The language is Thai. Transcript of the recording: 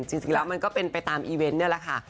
จริงแล้วมันก็เป็นไปตามอีเวนต์นี่แหละค่ะ